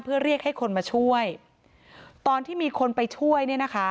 เพื่อเรียกให้คนมาช่วยตอนที่มีคนไปช่วย